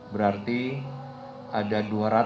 berarti ada dua ratus delapan puluh